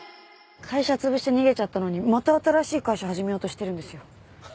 会社潰して逃げちゃったのにまた新しい会社始めようとしてるんですよ。